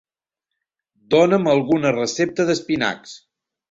Dona'm alguna recepta d'espinacs.